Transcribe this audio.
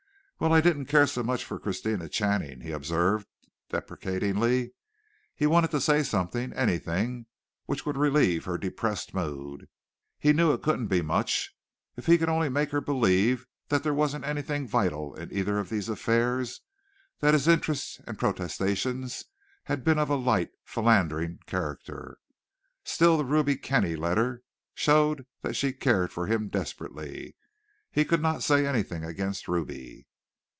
"Well, I didn't care so much for Christina Channing," he observed, deprecatingly. He wanted to say something, anything which would relieve her depressed mood. He knew it couldn't be much. If he could only make her believe that there wasn't anything vital in either of these affairs, that his interests and protestations had been of a light, philandering character. Still the Ruby Kenny letter showed that she cared for him desperately. He could not say anything against Ruby.